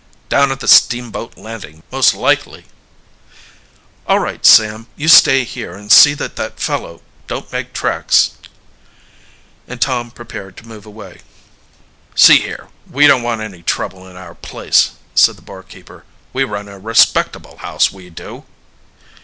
"Down at the steamboat landing, most likely." "All right. Sam, you stay here and see that that fellow don't make tracks," and Tom prepared to move away. "See here, we don't want any trouble in our place," said the barkeeper. "We run a respectable house, we do."